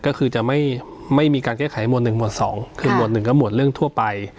ก็คือจะไม่มีการแก้ไขหมวดหนึ่งหมวดสองคือหมวดหนึ่งก็หมวดเรื่องทั่วไป